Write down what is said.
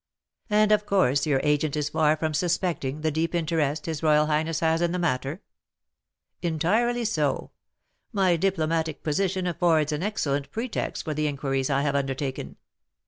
"And, of course, your agent is far from suspecting the deep interest his royal highness has in the matter?" "Entirely so. My diplomatic position affords an excellent pretext for the inquiries I have undertaken. M.